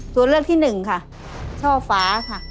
ตัวเลือกที่หนึ่งค่ะช่อฟ้าค่ะ